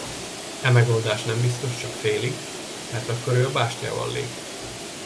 E megoldás nem biztos, csak félig, mert akkor ő a bástyával lép!